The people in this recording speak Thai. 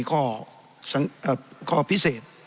ข้อพิเศษ